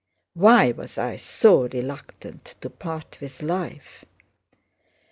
Why was I so reluctant to part with life?